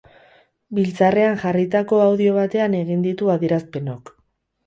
Biltzarrean jarritako audio batean egin ditu adierazpenok.